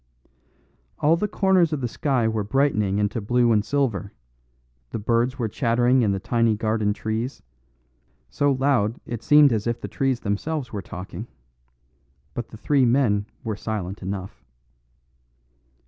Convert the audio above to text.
All the corners of the sky were brightening into blue and silver; the birds were chattering in the tiny garden trees; so loud it seemed as if the trees themselves were talking. But the three men were silent enough.